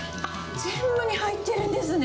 全部に入ってるんですね。